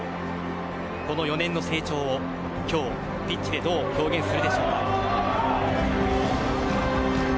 この４年の成長を今日、ピッチでどう表現するでしょうか。